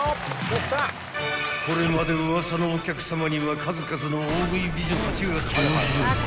［これまで『ウワサのお客さま』には数々の大食い美女たちが登場］